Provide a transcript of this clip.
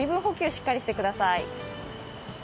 しっかりしてください。